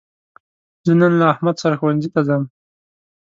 زه نن له احمد سره ښوونځي ته ځم.